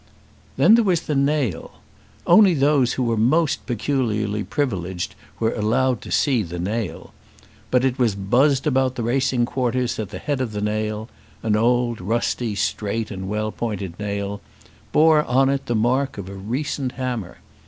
Then there was the nail. Only those who were most peculiarly privileged were allowed to see the nail. But it was buzzed about the racing quarters that the head of the nail, an old rusty, straight, and well pointed nail, bore on it the mark of a recent hammer.